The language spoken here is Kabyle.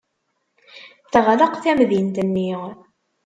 Teɣleq tadimt-nni.